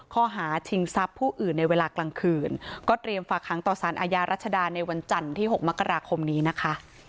ข้อหาชิงทรัพย์ผู้อื่นในเวลากลางคืนก็เตรียมฝากหางต่อสารอาญารัชดาในวันจันทร์ที่๖มกราคมนี้นะคะ